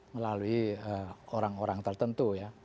melalui orang orang tertentu ya